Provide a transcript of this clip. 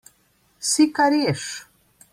Si, kar ješ.